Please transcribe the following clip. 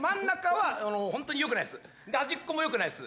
はじっこもよくないです。